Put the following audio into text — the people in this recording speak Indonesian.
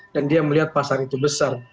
dan dia melihat pasar itu besar